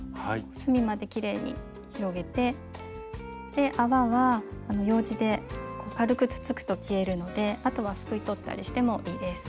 隅まできれいに広げて泡はようじで軽くつつくと消えるのであとはすくい取ったりしてもいいです。